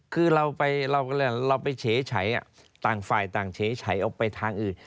คือเราไปเฉยต่างฝ่ายต่างเฉยเอาไปทางอื่น